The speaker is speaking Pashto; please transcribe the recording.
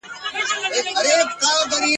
پیر بابا !.